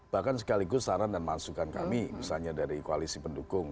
bahkan sekaligus saran dan masukan kami misalnya dari koalisi pendukung